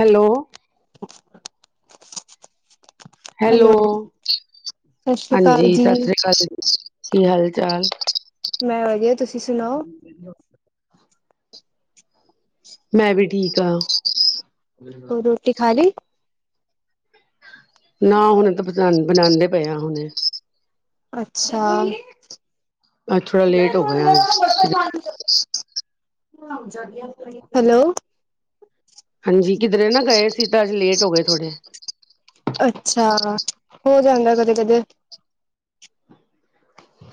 Hello [unintelligible] hello ਸਤਿ ਸ੍ਰੀ ਅਕਾਲ ਹਾਂਜੀ ਜੀ, ਸਤਿ ਸ੍ਰੀ ਅਕਾਲ ਕੀ ਹਾਲ ਚਾਲ [inaudible] ਮੈਂ ਵਧੀਆ ਤੁਸੀਂ ਸੁਣਾਓ? ਮੈਂ ਵੀ ਠੀਕ ਹਾਂ। ਹੋਰ ਰੋਟੀ ਖਾਲੀ। ਨਾ ਹੁਣੇ ਤਾਂ ਬ ਬਣਾਉਂਦੇ ਪਏ ਆ ਹੁਣੇ। ਅੱਛਾ ਅੱਜ ਥੋੜਾ ਲੇਟ ਹੋ ਗਿਆ ਅੱਜ ਕਿਧ [unintelligible] ਹੈਲੋ। ਹਾਂਜੀ ਕਿਧਰੇ ਨਾ ਗਏ ਸੀ ਤਾਂ ਅੱਜ ਲੇਟ ਹੋ ਗਏ ਥੋੜ੍ਹੇ। ਅੱਛਾ ਹੋ ਜਾਂਦਾ ਕਦੇ ਕਦੇ।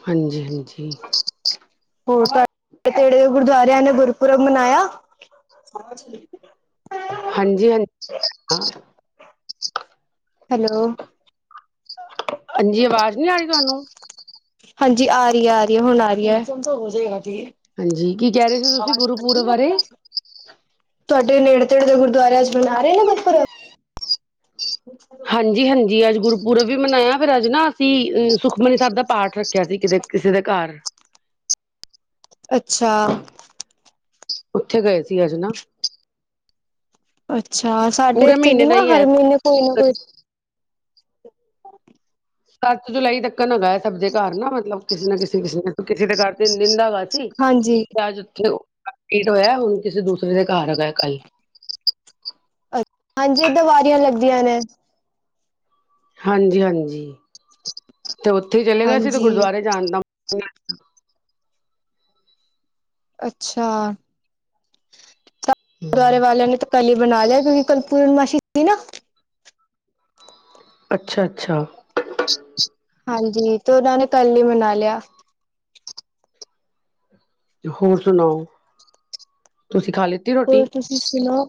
ਹਾਂਜੀ ਹਾਂਜੀ। ਹੋਰ ਤੇੜੇ ਗੁਰਦੁਆਰਿਆਂ ਨੇ ਗੁਰਪੁਰਬ ਮਨਾਇਆ [inaudible] ਹਾਂਜੀ ਹਾਂਜੀ ਹਾਂ। ਹੈਲੋ। ਹਾਂਜੀ ਆਵਾਜ਼ ਨਹੀਂ ਆ ਰਹੀ ਤੁਹਾਨੂੰ? ਹਾਂਜੀ ਆ ਰਹੀ ਆ ਰਹੀ ਹੁਣ ਆ ਰਹੀ। ਹਾਂਜੀ ਕੀ ਕਹਿ ਰਹੇ ਸੀ ਤੁਸੀਂ ਗੁਰੂਪੁਰਬ ਬਾਰੇ? ਤੁਹਾਡੇ ਨੇੜੇ ਤੇੜੇ ਦੇ ਗੁਰਦੁਆਰੇ ਅੱਜ ਮਨਾ ਰਹੇ ਨਾ ਗੁਰਪੁਰਬ? ਹਾਂਜੀ ਹਾਂਜੀ ਅੱਜ ਗੁਰਪੁਰਬ ਵੀ ਮਨਾਇਆ ਫਿਰ ਅਜ ਨਾ ਅਸੀਂ ਸੁਖਮਨੀ ਸਾਹਿਬ ਦਾ ਪਾਠ ਰੱਖਿਆ ਸੀ ਕਿਤੇ ਕਿਸੇ ਦੇ ਘਰ। ਅੱਛਾ ਉੱਥੇ ਗਏ ਸੀ ਅੱਜ ਨਾ। ਅੱਛਾ ਸਾਡੇ ਪੂਰੇ ਇੱਥੇ ਵੀ ਮਹੀਨੇ ਦਾ ਨਾ ਹੀ ਹੈ ਹਰ ਮਹੀਨੇ ਕੋਈ ਨਾ ਕੋਈ ਸੱਤ ਜੁਲਾਈ ਤੱਕ ਹੈਗਾ ਸਭ ਦੇ ਘਰ ਨਾ, ਮਤਲਬ ਕਿਸੇ ਨਾ ਕਿਸੇ ਕਿਸੇ ਕਿਸੇ ਦੇ ਘਰ ਤਿੰਨ ਦਿਨ ਦਾ ਹੈਗਾ ਤੇ ਹਾਂਜੀ, ਅਜ ਉੱਥੇ ਕਮਪਲੀਟ ਹੋਇਆ, ਹੁਣ ਕਿਸੇ ਦੂਸਰੇ ਦੇ ਘਰ ਹੈਗਾ ਏ ਕੱਲ ਹਾਂਜੀ ਦੀਵਾਰੀਆਂ ਲੱਗਦੀਆਂ ਨੇ ਹਾਂਜੀ ਹਾਂਜੀ ਤੇ ਉੱਥੇ ਹੀ ਚਲੇ ਗਏ ਸੀ, ਤੇ ਹਾਂਜੀ, ਗੁਰਦੁਆਰੇ ਜਾਣ ਦਾ ਅੱਛਾ ਗੁਰਦੁਆਰੇ ਵਾਲਿਆਂ ਨੇ ਤਾਂ ਪੈਹਲੇ ਹੀ ਮਣਾ ਲਿਆ ਕਿਉਂਕਿ ਕੱਲ ਪੂਰਨਮਾਸ਼ੀ ਸੀ ਨਾ ਅੱਛਾ ਅੱਛਾ ਹਾਂਜੀ ਤੇ ਉਹਨਾਂ ਨੇ ਕੱਲ ਹੀ ਮਨਾ ਲਿਆ ਹੋਰ ਸੁਣਾਓ ਤੁਸੀਂ ਖਾ ਲਿੱਤੀ ਰੋਟੀ ਸੁਣੋ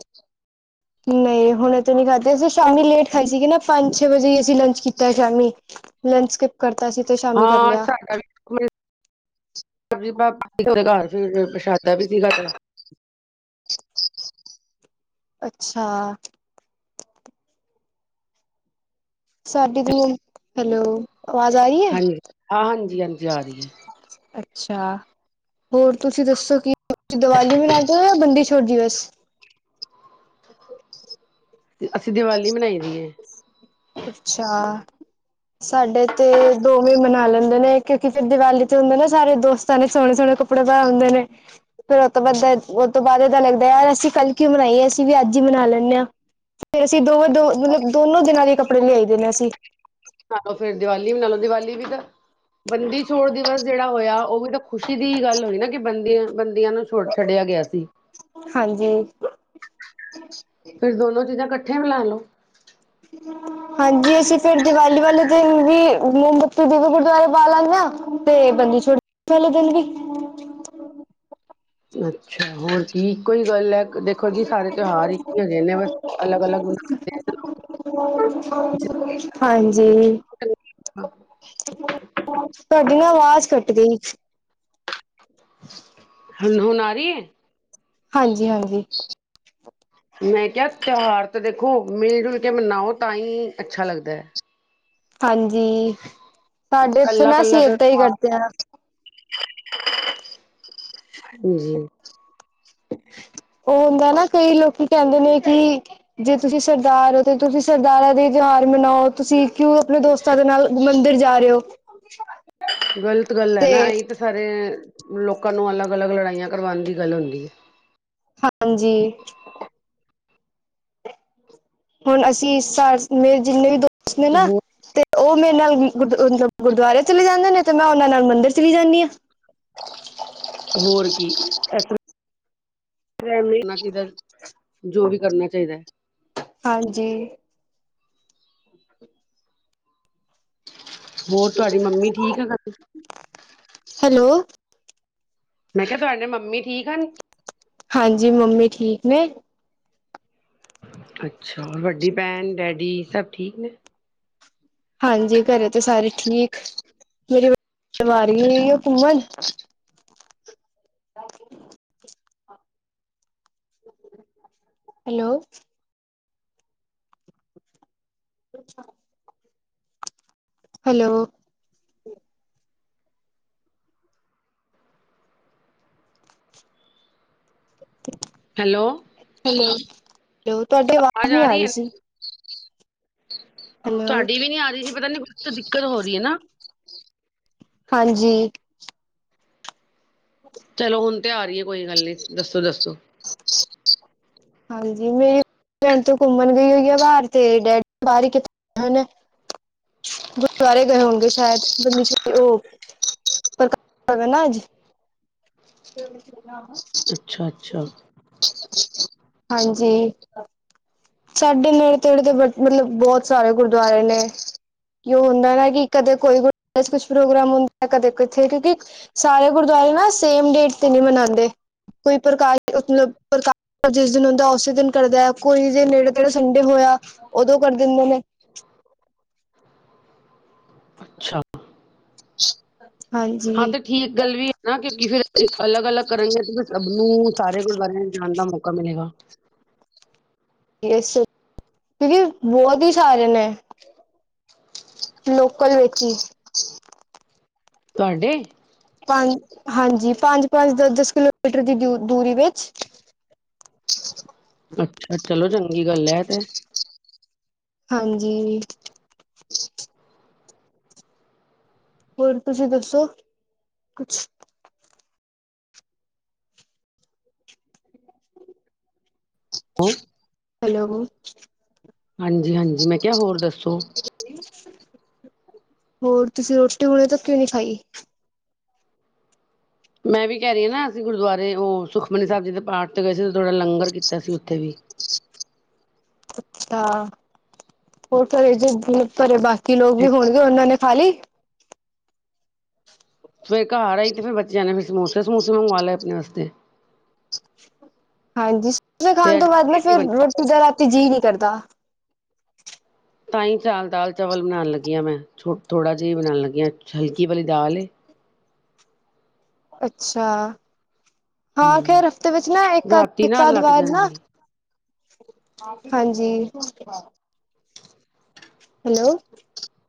ਨਹੀਂ ਹੁਣ ਇਹ ਤੋਂ ਨੀ ਖਾਦੀ, ਅਸੀਂ ਸ਼ਾਮੀ ਲੇਟ ਖਾਈ ਸੀਗੀ ਨਾ ਪੰਜ ਛੇ ਵਜੇ ਅਸੀਂ ਲੰਚ ਕੀਤਾ ਸ਼ਾਮੀ ਲੰਚ ਸਕਿੱਪ ਕਰਤਾ ਸੀ ਤੇ ਸ਼ਾਮੀ ਕਰ ਹਾਂ ਲਿਆ ਸਾਡਾ ਵੀ ਸਬਜ਼ੀ ਭਾਜੀ ਸੀ ਘਾਰ, ਫੇਰ ਪ੍ਰਸ਼ਾਦਾ ਵੀ ਸੀਗਾ ਅੱਛਾ ਸਾਡੀ ਤੋਂ, ਹੈਲੋ ਅਵਾਜ਼ ਆ ਰਹੀ ਹੈ ਹਾਂਜੀ ਹਾਂ ਹਾਂਜੀ ਹਾਂਜੀ ਆ ਰਹੀ ਅੱਛਾ ਹੋਰ ਤੁਸੀਂ ਦੱਸੋ ਕਿ ਦੀਵਾਲੀ ਮਨਾਉਦੇ ਹੋ ਜਾਂ ਬੰਦੀ ਛੋੜ ਔ ਦਿਵਸ ਅਸੀਂ ਦੀਵਾਲੀ ਮਨਾਈ ਦੀ ਏ ਅੱਛਾ ਸਾਡੇ ਤੇ ਦੋਵੇਂ ਮਨਾ ਲੈਂਦੇ ਨੇ, ਕਿਉਂਕਿ ਫੇਰ ਦੀਵਾਲੀ ਤੇ ਹੁੰਦੇ ਨਾ ਸਾਰੇ ਦੋਸਤਾਂ ਨੇ ਸੋਹਣੇ ਸੋਹਣੇ ਕੱਪੜੇ ਪਾਏ ਹੁੰਦੇ ਨੇ ਫੇਰ ਉਹ ਤੋਂ ਬਾਅਦ ਉਹ ਤੋਂ ਬਾਅਦ ਇਹਦਾ ਲੱਗਦਾ ਯਾਰ ਅਸੀਂ ਕੱਲ੍ਹ ਕਿਉਂ ਮਨਾਈਏ ਅਸੀਂ ਵੀ ਅੱਜ ਹੀ ਮਨਾ ਲੈਂਦੇ ਹਾਂ, ਫੇਰ ਅਸੀਂ ਦੋਵਾਂ ਦੋ ਮਤਲਬ ਦੋਨੋ ਦਿਨਾਂ ਦੇ ਕੱਪੜੇ ਲਿਆਈ ਦੇ ਨੇ ਅਸੀਂ ਨਾਲੋ ਫੇਰ ਦੀਵਾਲੀ ਮਨਾ ਲੋ, ਦੀਵਾਲੀ ਵੀ ਤਾਂ ਬੰਦੀ ਛੋੜ ਦਿਵਸ ਜਿਹੜਾ ਹੋਇਆ ਉਹ ਵੀ ਤਾਂ ਖੁਸ਼ੀ ਦੀ ਹੀ ਗੱਲ ਹੋਈ ਨਾ ਕਿ ਬੰਦੀਆਂ ਬੰਦੀਆਂ ਨੂੰ ਛੋ ਛੱਡਿਆ ਗਿਆ ਸੀ ਹਾਂਜੀ। ਫਿਰ ਦੋਨੋ ਚੀਜ਼ਾਂ ਇਕੱਠੀਆਂ ਈ ਮਨਾ ਲੋੋ ਹਠ [inaudible] ਹਾਂਜੀ ਅਸੀਂ ਫੇਰ ਦੀਵਾਲੀ ਵਾਲੇ ਦਿਨ ਵੀ ਮੋਮਬੱਤੀ ਗੁਰਦੁਆਰੇ ਬਾਲ ਆਂਦੇ ਆਂ ਤੇ ਬੰਦੀਛੋੜ ਵਾਲੇ ਦਿਨ ਵੀ ਅੱਛਾ ਹੋਰ ਕੀ ਇੱਕੋ ਹੀ ਗੱਲ ਹੈ, ਦੇਖੋ ਜੀ ਸਾਰੇੇ ਤਿਉਹਾਰ ਇੱਕ ਹੀ ਹੈਗੇ ਨੇ ਬਸ ਅਲੱਗ ਅਲੱਗ ਬ ਹਾਂਜੀ ਤੁਹਾਡੀ ਨਾ ਆਵਾਜ਼ ਕੱਟ ਗਈ ਹਨ ਹੁਣ ਆ ਰਹੀ ਹੈ ਹਾਂਜੀ ਹਾਂਜੀ ਮੈਂ ਕਿਹਾ ਤਿਉਹਾਰ ਤਾਂ ਦੇਖੋ ਮਿਲ ਜੁਲ ਕੇ ਮਨਾਓ ਤਾਂ ਹੀ ਅੱਛਾ ਲੱਗਦਾ ਹਾਂਜੀ ਸਾਡੇ ਇੱਥੇ ਕੱਲਾ ਨਾ ਕੱਲਾ ਅਸੀਂ ਤਾਂ ਏਦਾਂ ਹੀ ਕਰਦੇ ਹਾਂ ਹਾਂਜੀ ਉਹ ਹੁੰਦਾ ਨਾ ਕਈ ਲੋਕੀ ਕਹਿੰਦੇ ਨੇ ਕਿ ਜੇ ਤੁਸੀਂ ਸਰਦਾਰ ਹੋ, ਤੇ ਤੁਸੀਂ ਸਰਦਾਰਾਂ ਦੇ ਤਿਉਹਾਰ ਮਨਾਓ ਤੁਸੀਂ ਕਿਉਂ ਆਪਣੇ ਦੋਸਤਾਂ ਦੇ ਨਾਲ ਮੰਦਿਰ ਜਾ ਰਹੇ ਹੋ ਗ਼ਲਤ ਗੱਲ ਹੈ ਨਾ, ਤੇ ਅਸੀਂ ਤਾਂ ਸਾਰੇ ਲੋਕਾਂ ਨੂੰ ਅਲੱਗ-ਅਲੱਗ ਲੜਾਈਆਂ ਕਰਵਾਣ ਦੀ ਗੱਲ ਹੁੰਦੀ ਏ। ਹਾਂਜੀ ਹੁਣ ਅਸੀਂ ਸ ਮੇਰੇ ਜਿੰਨੇ ਵੀ ਦੋਸਤ ਨੇ ਹੈ ਨਾ ਤੇ ਓ ਮੇਰੇ ਨਾਲ ਗੁਰ ਗੁਰਦੁਆਰੇ ਚਲੇ ਜਾਂਦੇ ਨੇ ਤੇ ਮੈਂ ਉਹਨਾਂ ਨਾਲ ਮੰਦਿਰ ਚਲੀ ਜਾਂਦੀ ਆਂ ਹੋਰ ਕੀ [unintelligible] [unintelligible] ਜੋ ਵੀ ਕਰਨਾ ਚਾਹੀਦਾ। ਹਾਂਜੀ ਹੋਰ ਤੁਹਾਡੀ ਮੰਮੀ ਠੀਕ ਆ ਘਰ? ਹੈਲੋ ਮੈਂ ਕਿਆ ਤੁਹਾਡੇ ਮੰਮੀ ਠੀਕ ਹਨ। ਹਾਂਜੀ ਮੰਮੀ ਠੀਕ ਨੇ। ਅੱਛਾ ਵੱਡੀ ਭੈਣ ਡੈਡੀ ਸਭ ਠੀਕ ਨੇ। ਹਾਂਜੀ ਘਰੇ ਤੇ ਸਾਰੇ ਠੀਕ ਮੇਰੀ ਵਾਰੀ ਓ ਘੁੰਮਣ [inaudible] ਹੈਲੋ ਅੱਛਾ ਹੈਲੋ ਹੈਲੋ ਹੈਲੋ ਹੈਲੋ ਤੁਹਾਡੀ ਆਵਾਜ਼ ਆਜ ਨਹੀਂ ਆ ਰਈ ਰਹੀ ਏ ਸੀ ਹੈਲੋ ਤੁਹਾਡੀ ਵੀ ਨੀ ਆ ਰਈ ਪਤਾ ਨੀ ਤਾ ਦਿੱਕਤ ਹੋ ਰਈ ਹਨਾ। ਹਾਂਜੀ ਚਲੋ ਹੁਣ ਤੇ ਆ ਰਹੀਏ ਕੋਈ ਗੱਲ ਨੀ ਦੱਸੋ -ਦੱਸੋ। ਹਾਂਜੀ ਮੇ ਭੈਣ ਤੇ ਘੁੰਮਣ ਗਈ ਹੋਈ ਆ ਬਾਰ ਤੇ ਡੈਡੀ ਬਾਰ ਕਿਥੇ ਗੁਰਦੁਆਰੇ ਗਏ ਹੋਣਗੇ ਸ਼ਾਇਦ ਓ ਪ੍ਰਕਾਸ਼ [unintelligible] ਨਾ ਅੱਜ [inaudible] ਅੱਛਾ-ਅੱਛਾ ਹਾਂਜੀ ਸਾਡੇ ਨੇੜੇ ਤੇੜੇ ਤੇ ਬ ਮਤਲਬ ਬੋਤ ਸਾਰੇ ਗੁਰਦੁਆਰੇ ਨੇ। ਕਿ ਓ ਹੁੰਦਾ ਨਾ ਕਿ ਕਦੇ ਕੋਈ ਕੁਛ ਪ੍ਰੋਗਰਾਮ ਹੁੰਦਾ ਕਦੇ ਕਿਥੇ ਕਿਉਂਕਿ ਸਾਰੇ ਗੁਰਦੁਆਰੇ ਨਾ ਸੇਮ ਡੇਟ ਤੇ ਨਈ ਮਨਾਉਂਦੇ। ਕੋਈ ਪ੍ਰਕਾਰ ਮਤਲਬ ਪ੍ਰਕਾਰ ਜਿਸ ਦਿਨ ਹੁੰਦਾ ਉਸੇ ਦਿਨ ਕਰਦਾ ਕੋਈ ਜੇ ਨੇੜੇ ਤੇੜੇ ਸੰਡੇ ਹੋਇਆ ਉਦੋਂ ਕਰ ਦਿੰਦੇ ਨੇ। ਅੱਛਾ [inaudible] ਹਾਂ ਹਾਂਜੀ ਤੇ ਠੀਕ ਗੱਲ ਵੀ ਏ। ਨਾ ਕਿਉਂਕਿ ਫੇਰ ਅਲੱਗ-ਅਲੱਗ ਕਰਨਗੇ ਤੇ ਫਿਰ ਸਭ ਨੂੰ ਸਾਰੇ ਗੁਰਦੁਆਰੇ ਜਾਣ ਦਾ ਮੌਕਾ ਮਿਲੇਗਾ। ਏਸ ਕਿਉਂਕਿ ਬੋਤ ਈ ਸਾਰੇ ਨੇ। ਲੋਕਲ ਵਿੱਚ ਈ। ਤੁਹਾਡੇ ਪੰਜ ਹਾਂਜੀ ਪੰਜ-ਪੰਜ ਦ ਦਸ ਕਿਲੋਮੀਟਰ ਦੀ ਦ ਦੂਰੀ ਵਿੱਚ ਅੱਛਾ ਚਲੋ ਚੰਗੀ ਗੱਲ ਐ ਤੇ ਹਾਂਜੀ ਹੋਰ ਤੁਸੀਂ ਦੱਸੋ ਕੁਛ ਹੋ ਹੈਲੋ। ਹਾਂਜੀ-ਹਾਂਜੀ, ਮੈਂ ਕਿਆ ਹੋਰ ਦੱਸੋ। ਹੋਰ ਤੁਸੀਂ ਰੋਟੀ ਹੁਨੇ ਤਕ ਕਿਉਂ ਨੀ ਖਾਈ। ਮੈਂ ਵੀ ਕੈ ਰੀ ਆਨਾ ਅਸੀਂ ਗੁਰਦੁਆਰੇ ਓ ਸੁਖਮਨੀ ਸਾਹਿਬ ਜੀ ਦੇ ਪਾਠ ਤੇ ਗਏ ਸੀ, ਥੋੜ੍ਹਾ ਲੰਗਰ ਕੀਤਾ ਸੀ ਉੱਥੇ ਵੀ। ਅੱਛਾ, ਹੋਰ ਘਰੇ ਜੇ [unintelligible] ਘਰੇ ਬਾਕੀ ਲੋਕ ਵੀ ਹੋਨਗੇ ਉਨਾਂ ਨੇ ਖਾ ਲੀ। ਸਵੇਰ ਘਰ ਆਈ ਤੇ ਫਿਰ ਬੱਚਿਆਂ ਨੇ ਫਿਰ ਸਮੋਸੇ ਸਮੋਸੇ ਮੰਗਵਾ ਲਏ ਅਪਣੇ ਵਾਸਤੇ। ਹਾਂਜੀ ਸਮੋਸੇ ਖਾਨ ਤੇ ਅੱਜ ਤੋਂ ਬਾਦ ਨਾ ਫਿਰ ਰੋਟੀ ਦਾ ਰਾਤੀ ਜੀਅ ਨੀ ਕਰਦਾ। ਤਾਂ ਈ ਚਾਲ ਦਾਲ ਚਾਵਲ ਬਨਾਨ ਲੱਗੀ ਆ ਮੈ ਥੋੜ੍ਹਾ ਜੀ ਬਨਾਨ ਲੱਗੀ ਆ, ਹਲਕੀ ਵਾਲੀ ਦਾਲ ਏ। ਅੱਛਾ, ਹਾਂ ਹੂੰ ਖੈਰ ਹਫ਼ਤੇ ਵਿੱਚ ਨਾ ਇੱਕ ਰਾਤੀ ਇੱਕ ਨਾ ਲੱਗ ਆਧਵਾਰ ਨਾ ਜਾਂਦੀ ਹਾਂਜੀ। ਹੈਲੋ।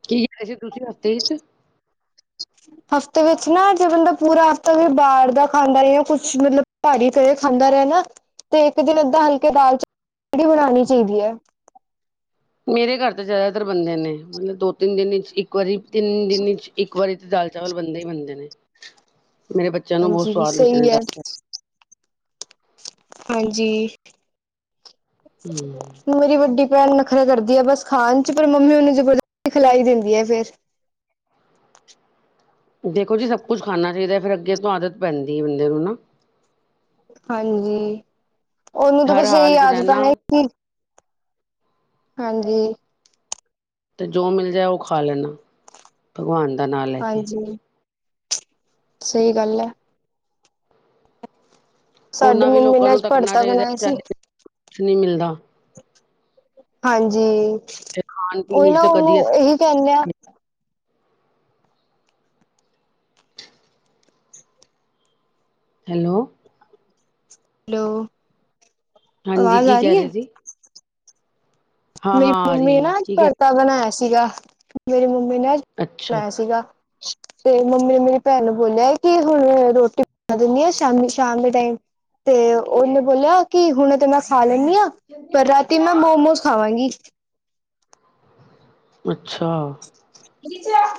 ਕੀ ਕਿਆ ਸੀ ਤੁਸੀਂ ਹਫ਼ਤੇ ਚ [inaudible] ਹਫ਼ਤੇ ਵਿੱਚ ਨਾ ਜੇ ਬੰਦਾ ਪੂਰਾ ਹਫ਼ਤਾ ਵੀ ਬਾਰ ਦਾ ਖਾਂਦਾ ਰਿਹਾ। ਜਾਂ ਕੁਛ ਮਤਲਬ ਭਾਰੀ ਤੇਰ ਖਾਂਦਾ ਰਿਆ ਨਾ ਤੇ ਇੱਕ ਦਿਨ ਏਦਾਂ ਹਲਕੇ ਦਾਲ ਚਾਵਲ ਵੀ ਬਨਾਨੀ ਚਾਈਦੀ ਐ। ਮੇਰੇ ਘਰ ਤਾਂ ਜੈਦਾਤਰ ਬਨਦੇ ਨੇ ਮਤਲਬ ਦੋ-ਤਿੰਨ ਦਿਨ ਚ ਇੱਕ ਵਾਰੀ ਤਿੰਨ ਦਿਨ ਚ ਇੱਕ ਵਾਰੀ ਤੇ ਦਾਲ ਚਾਵਲ ਬਨਦੇ ਈ ਬਨਦੇ ਨੇ, ਮੇਰੇ ਬੱਚਿਆਂ ਨੂੰ ਬੋਤ ਹਾਂਜੀ ਸਵਾਦ ਲੱਗਦੇ ਨੇ ਸਹੀ ਹੈ ਦਾਲ-ਚਾਵਲ ਹਾਂਜੀ, ਹੂੰ। ਮੇਰੀ ਵੱਡੀ ਪੈਨ ਨਖਰੇ ਕਰਦੀ ਐ ਬਸ ਖਾਣ ਚ ਪਰ ਮੰਮੀ ਓਨੂੰ ਜਬਰਦਸਤੀ ਖਿਲਾ ਈ ਦਿੰਦੀ ਐ ਫੇਰ। ਦੇਖੋ ਜੀ ਸਬ ਕੁੱਛ ਖਾਣਾ ਚਾਈਦਾ ਫਿਰ ਅੱਗੇ ਤੋਂ ਆਦਤ ਪੈਂਦੀ ਬੰਦੇ ਨੂੰ ਨਾ। ਹਾਂਜੀ ਓਨੂੰ ਤਾਂ ਹਰ ਬਸ ਏਈ ਹਾਲ ਚ ਆਦੱਤਾ ਰਹਿਣਾ ਨੇ ਕਿ ਹਾਂਜੀ। ਤੇ ਜੋ ਮਿਲ ਜਾਏ ਓ ਖਾ ਲੈਨਾ ਭਗਵਾਨ ਦਾ ਨਾਂ ਲੈ ਕੇ। ਸਈ ਗੱਲ ਐ। ਸਾਡੀ ਓਨਾਂ ਵੀ ਮੰਮੀ ਲੋਕਾਂ ਨੇ ਨੂੰ ਅੱਜ ਤੱਕਣਾ ਭੜਤਾ ਚਾਈਦਾ ਬਣਾਇਆ ਸੀ ਸਾਡੇ [unintelligible] ਕੁਛ ਨੀਮਿਲਦਾ। ਹਾਂਜੀ, ਤੇ ਖਾਣ ਪੀਣ ਓਹੀ ਵਿੱਚ ਨਾ ਤਾਂ ਕਦੀ ਅਸ ਓਨੂੰ ਇਹੀ ਕੈਨੇ ਆ ਹੈਲੋ। ਹੈਲੋ। ਹਾਂਜੀ, ਆਵਾਜ਼ ਕੀ ਆ ਕੈ ਰਹੀ ਰੇ ਹੈ। ਸੀ। ਹਾਂ ਮੇਰੀ ਹਾਂ ਆ ਮੰਮੀ ਰਹੀ ਨਾ ਹੈ ਆੱਜ ਕੀ ਕਹਿ ਭੜਤਾ ਬਣਾਇਆ ਸੀਗਾ, ਮੇਰੀ ਮੰਮੀ ਨੇ ਆੱਜ ਅੱਛਾ ਅੱਛਾ ਬਨਾਇਆ ਸੀਗਾ। ਤੇ ਮੰਮੀ ਨੇ ਮੇਰੀ ਭੈਣ ਨੂੰ ਬੋਲਿਆ ਕਿ ਹੁਣ ਰੋਟੀ ਬਣਾ ਦਿੰਦੀ ਆ ਸ਼ਾਮੀ ਸ਼ਾਮ ਦੇ ਟਾਈਮ ਤੇ ਓਨੇ ਬੋਲਿਆ ਕਿ ਹੁਨ ਤੇ ਮੈਂ ਖਾ ਲੈਨੀ ਆ ਪਰ ਰਾਤੀ ਮੈਂ ਮੋਮੋਸ ਖਾਵਾਂਗੀ। ਅੱਛਾ।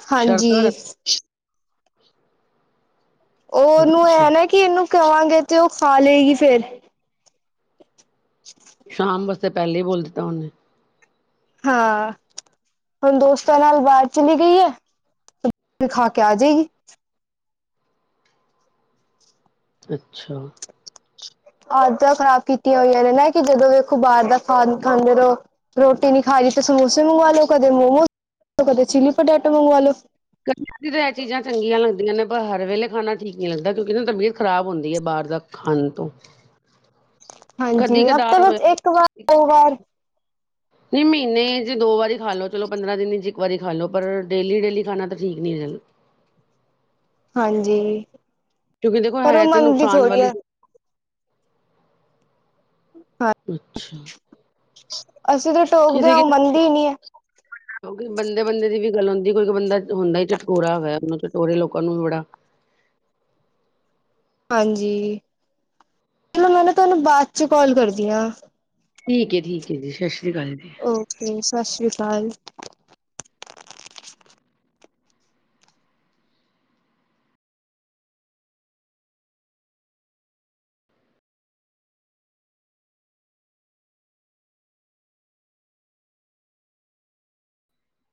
ਹਾਂਜੀ। ਸ਼ਰਤਾਂ ਰੱਖ ਓ ਓਨੂੰ ਐ ਅੱਛਾ ਐਨਾ ਕਿ ਐਨੂੰ ਕਵਾਂਗੇ ਤੇ ਓ ਖਾਲੇਗੀ ਫੇਰ। [inaudible] ਸ਼ਾਮ ਵਾਸਤੇ ਪੈਲੇ ਈ ਬੋਲ ਦਿੱਤਾ ਓਨੇ। ਹਾਂ, ਹੁਨ ਦੋਸਤਾਂ ਨਾਲ ਬਾਰ ਚਲੀ ਗਈ ਐ। ਖਾ ਕੇ ਆ ਜੇਗੀ। ਅੱਛਾ। ਆਦਤਾਂ ਖ਼ਰਾਬ ਕੀਤੀਆਂ ਹੋਈਆਂ ਨੇ ਨਾ ਕਿ ਜਦੋਂ ਵੇਖੋ ਬਾਰ ਦਾ ਖਾਦ ਖਾਂਦੇ ਰੋ। ਰੋਟੀ ਨੀ ਖਾ ਲਈ ਤੇ ਸਮੋਸੇ ਮੰਗਵਾ ਲੋ, ਕਦੇ ਮੋਮੋਸ, ਕਦੇ ਚਿੱਲੀ ਪਟੈਟੋ ਮੰਗਵਾ ਲੋ। ਕਦੀ ਕਦੀ ਤਾਂ ਐਚੀਜ਼ਾਂ ਚੰਗੀਆਂ ਲੱਗਦੀਆਂ ਨੇ ਪਰ ਹਰ ਵੇਲੇ ਖਾਨਾ ਠੀਕ ਨੀ ਲਗਦਾ ਕਿਉਂਕਿ ਨਾ ਤਬੀਅਤ਼ ਖਰਾਬ ਹੁੰਦੀ ਐ ਬਾਰ ਦਾ ਖਾਣ ਤੋਂ ਕਦੀ ਹਾਂਜੀ ਹਫ਼ਤੇ ਕਦਾਰ ਹੋਇਆ ਵਿੱਚ ਇੱਕ ਵਾਰ ਦੋ ਵਾਰ ਨਈ ਮਹੀਨੇ 'ਚ ਦੋ ਵਾਰੀ ਖਾ ਲਓ ਚਲੋ ਪੰਦਰਾਂ ਦਿਨ 'ਚ ਇੱਕ ਵਾਰੀ ਖਾ ਲਓ ਪਰ ਡੇਲੀ- ਡੇਲੀ ਖਾਣਾ ਤਾਂ ਠੀਕ ਨਈ ਹੈ। ਹਾਂਜੀ ਕਿਉਂਕਿ ਦੇਖੋ ਪਰ ਓ ਹੈ ਤਾਂ ਮੰਨਦੀ ਨੁਕਸਾਨ ਥੋੜ੍ਹੀ ਵਾਲੀ ਐ। ਹਾਂ ਅੱਛਾ ਅਸੀਂ ਤਾ ਟੋਕਦੇ ਹਾਂ ਉਹ ਮੰਨਦੀ ਨਈ ਐ। ਕਿਉਂਕਿ ਬੰਦੇ-ਬੰਦੇ ਦੀ ਵੀ ਗੱਲ ਹੁੰਦੀ ਕੋਈ- ਕੋਈ ਬੰਦਾ ਹੁੰਦਾ ਹੀ ਚਟਕੋਰਾ ਹੋਇਆ ਮਤਲਬ ਉਹੀ ਲੋਕਾਂ ਨੂੰ ਬੜਾ ਹਾਂਜੀ ਚਲੋ ਮੈਂ ਨਾ ਤੁਹਾਨੂੰ ਬਾਦ 'ਚ ਕਾਲ ਕਰਦੀ ਆਂ। ਠੀਕ ਹੈ-ਠੀਕ ਹੈ ਜੀ ਸਤਿ ਸ਼੍ਰੀ ਅਕਾਲ ਜੀ। ਓਕੇ ਸਤਿ ਸ਼੍ਰੀ ਅਕਾਲ।